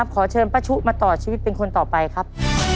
ขอเชิญป้าชุมาต่อชีวิตเป็นคนต่อไปครับ